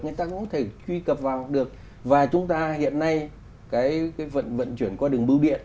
người ta cũng có thể truy cập vào được và chúng ta hiện nay cái vận chuyển qua đường bưu điện